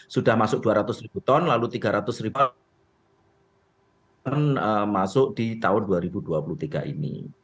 sudah masuk dua ratus ribu ton lalu tiga ratus ribu ton masuk di tahun dua ribu dua puluh tiga ini